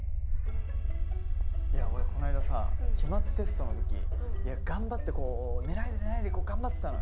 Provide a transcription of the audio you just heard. いや俺この間さ期末テストの時頑張ってこう寝ないで寝ないで頑張ってたのよ。